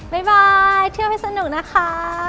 บายเที่ยวให้สนุกนะคะ